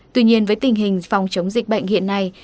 tuy nhiên với tình hình phòng chống dịch bệnh hiện nay